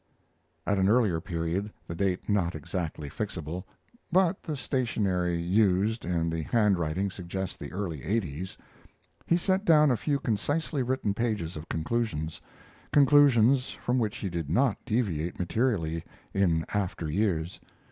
At an earlier period the date is not exactly fixable, but the stationery used and the handwriting suggest the early eighties he set down a few concisely written pages of conclusions conclusions from which he did not deviate materially in after years.